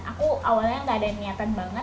aku awalnya gak ada niatan banget